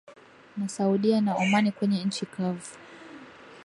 na Saudia na Omani kwenye nchi kavu